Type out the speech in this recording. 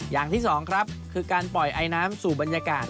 อย่างที่สองครับคือการปล่อยไอน้ำสู่บรรยากาศ